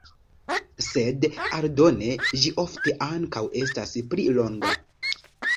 Sed aldone ĝi ofte ankaŭ estas pli longa.